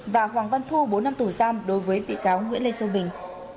với tỷ cáo nguyễn lê châu bình